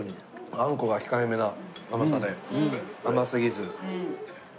あんこが控えめな甘さで甘すぎず。